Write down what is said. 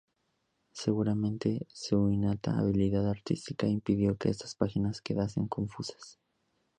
Seguramente su innata habilidad artística impidió que estas páginas quedasen confusas.